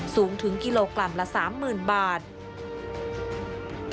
สูงถึงกิโลกรัมละ๓๐๐๐บาท